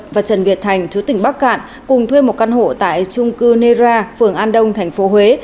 và trần việt thành chú tỉnh bắc cạn cùng thuê một căn hộ tại trung cư nera phường an đông tp huế